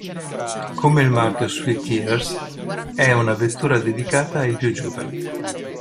Come il marchio "Sweet Years" è una vettura dedicata ai più giovani.